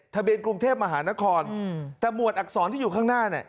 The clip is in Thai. ทะเบียนกรุงเทพมหานครแต่หมวดอักษรที่อยู่ข้างหน้าเนี่ย